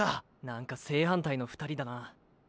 なんか正反対の２人だな。